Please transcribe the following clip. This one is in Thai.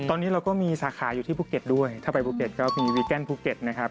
ตอนนี้เราก็มีสาขาอยู่ที่ภูเก็ตด้วยถ้าไปภูเก็ตก็มีวีแกนภูเก็ตนะครับ